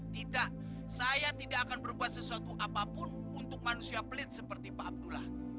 tidak saya tidak akan berbuat sesuatu apapun untuk manusia pelit seperti pak abdullah